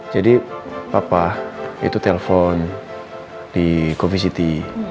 jadi papa itu telepon di covi city